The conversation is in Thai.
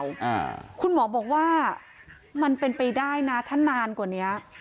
อ่าคุณหมอบอกว่ามันเป็นไปได้นะถ้านานกว่าเนี้ย